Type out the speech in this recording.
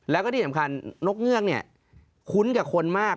แล้วก็ที่สำคัญนกเงือกเนี่ยคุ้นกับคนมาก